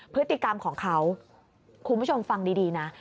พฤติกรรมของเขาคุณผู้ชมฟังดีนะ